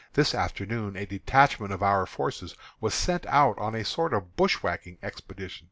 This afternoon a detachment of our forces was sent out on a sort of bushwhacking expedition.